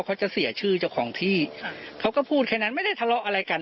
เขาจะเสียชื่อเจ้าของที่เขาก็พูดแค่นั้นไม่ได้ทะเลาะอะไรกัน